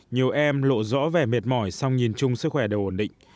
nhiều em lộ rõ vẻ mệt mỏi song nhìn chung sức khỏe đều ổn định